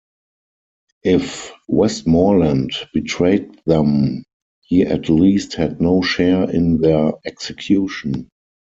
If Westmorland betrayed them he at least had no share in their execution.